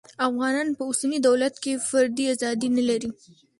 افغانان په اوسني دولت کې فردي ازادي نلري